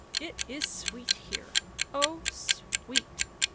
it is sweet here — oh, sweet!"